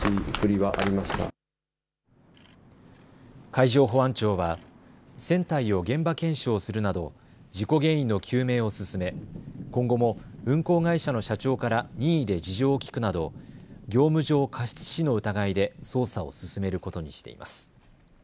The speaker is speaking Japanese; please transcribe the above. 海上保安庁は船体を現場検証するなど事故原因の究明を進め今後も運航会社の社長から任意で事情を聴くなど業務上過失致死の疑いで捜査を進めることにしています。